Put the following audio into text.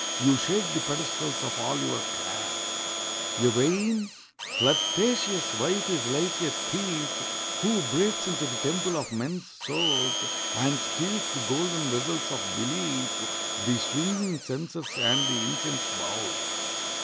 You shake the pedestals of all your class. A vain, flirtatious wife is like a thief Who breaks into the temple of men's souls, And steals the golden vessels of belief, The swinging censers, and the incense bowls.